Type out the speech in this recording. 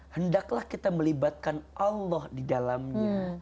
hendaklah kita melibatkan allah di dalamnya